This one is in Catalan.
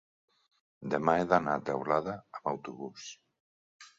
Demà he d'anar a Teulada amb autobús.